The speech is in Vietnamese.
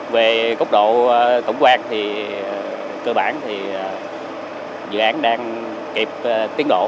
về cốc độ tổng quan thì cơ bản thì dự án đang kịp tiến độ